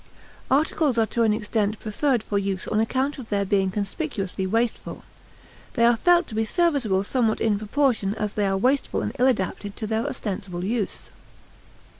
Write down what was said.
Articles are to an extent preferred for use on account of their being conspicuously wasteful; they are felt to be serviceable somewhat in proportion as they are wasteful and ill adapted to their ostensible use.